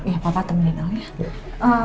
ya papa temenin aku ya